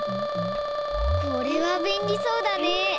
これはべんりそうだね。